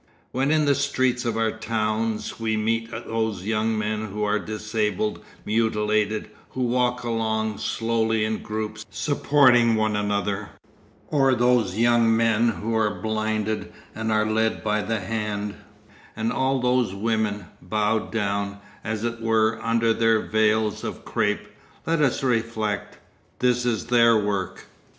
When in the streets of our towns we meet those young men who are disabled, mutilated, who walk along slowly in groups, supporting one another, or those young men who are blinded and are led by the hand, and all those women, bowed down, as it were, under their veils of crape, let us reflect: "This is their work.